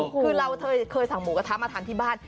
คือเราเคยสั่งหมูกระทะมาทานที่บ้าน